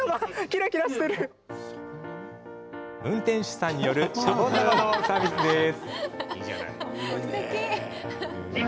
運転手さんによるシャボン玉のサービスです。